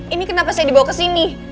ini kenapa saya dibawa kesini